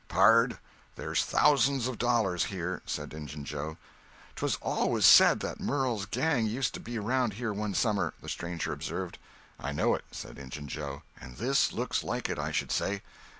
"Pard, there's thousands of dollars here," said Injun Joe. "'Twas always said that Murrel's gang used to be around here one summer," the stranger observed. "I know it," said Injun Joe; "and this looks like it, I should say."